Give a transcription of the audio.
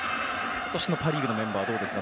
今年のパ・リーグのメンバーどうですか？